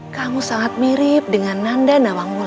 kamu sangat mirip dengan nanda nawang mular